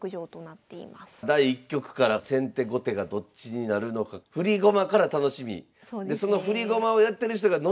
第１局から先手後手がどっちになるのか振り駒から楽しみ。